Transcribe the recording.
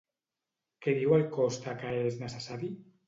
Què diu el Costa que és necessari?